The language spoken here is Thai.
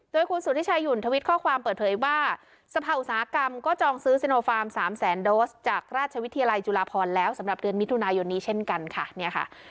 โดยคุณสุธิชายุ่นทวิตข้อความเปิดเผยว่าสภาอุตสาหกรรมก็จองซื้อซิโนฟาร์ม๓แสนโดสจากราชวิทยาลัยจุฬาพรแล้วสำหรับเดือนมิถุนายนนี้เช่นกันค่ะเนี่ยค่ะ